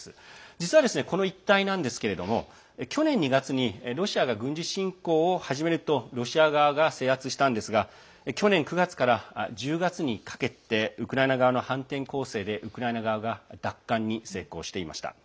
実は、この一帯、去年２月にロシアが軍事侵攻を始めるとロシア側が制圧したんですが去年９月から１０月にかけてウクライナ側の反転攻勢でウクライナ側が奪還に成功していました。